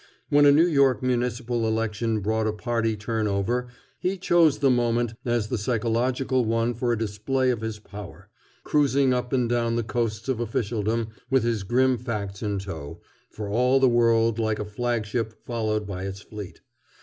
When a New York municipal election brought a party turn over, he chose the moment as the psychological one for a display of his power, cruising up and down the coasts of officialdom with his grim facts in tow, for all the world like a flagship followed by its fleet.